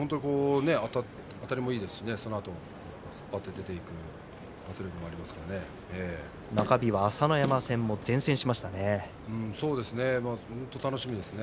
あたりもいいですしそのあと突っ張って出ていく中日、朝乃山戦にも本当楽しみですね。